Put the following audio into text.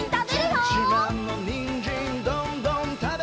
「どんどんどんどん」